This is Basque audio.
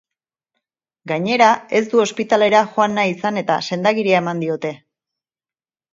Gainera, ez du ospitalera joan nahi izan eta sendagiria eman diote.